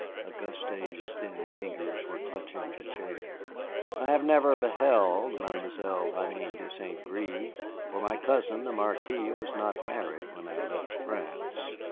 Auguste's thin fingers were clutching the chair. "I have never beheld Mademoiselle Hélène de St. Gré, for my cousin, the Marquis, was not married when I left France.